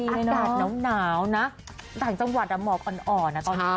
อากาศน้ำหนาวนะหลังจังหวัดเหมาะอ่อนตอนนี้